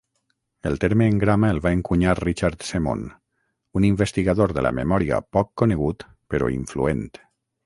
El terme "engrama" el va encunyar Richard Semon, un investigador de la memòria poc conegut però influent.